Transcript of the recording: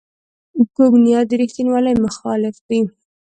کوږ نیت د ریښتینولۍ مخالف وي